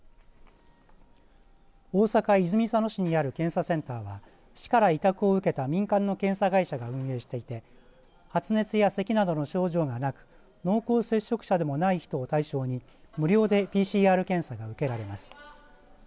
大阪泉佐野市にある検査センターは市から委託を受けた民間の検査会社が運営していて発熱や、せきなどの症状がなく濃厚接触者でもない人を対象に無料でＰＣＲ検査が受けられます。